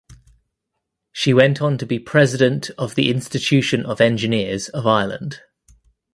She went on to be President of the Institution of Engineers of Ireland.